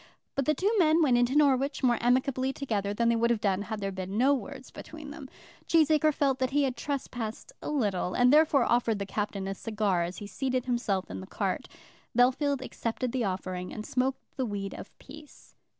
But the two men went into Norwich more amicably together than they would have done had there been no words between them. Cheesacre felt that he had trespassed a little, and therefore offered the Captain a cigar as he seated himself in the cart. Bellfield accepted the offering, and smoked the weed of peace.